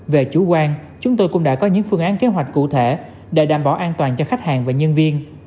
về chủ quan chúng tôi cũng đã có những phương án kế hoạch cụ thể để đảm bảo an toàn cho khách hàng và nhân viên